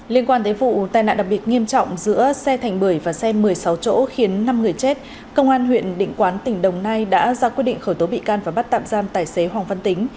liên quan tới vụ tai nạn đặc biệt nghiêm trọng giữa xe thành bưởi và xe một mươi sáu chỗ khiến năm người chết công an huyện định quán tỉnh đồng nai đã ra quyết định khởi tố bị can và bắt tạm giam tài xế hoàng văn tính